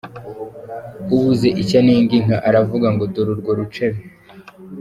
Ubuze icyo anenga inka, aravuga ngo dore urwo rucebe.